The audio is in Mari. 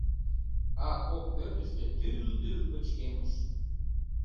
А кок пӧртыштӧ тӱл-дӱл пычкемыш.